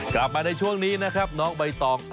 กลับมาในช่วงนี้นะครับน้องใบตอง